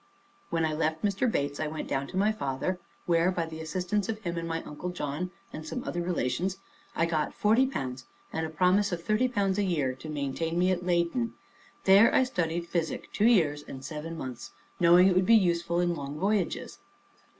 When I left Mr. Bates, I went down to my father; where, by the assistance of him and my uncle John, and some other relations, I got forty pounds, and a promise of thirty pounds a year to maintain me at Leyden; there I studied physic two years and seven months, knowing it would be useful in long voyages.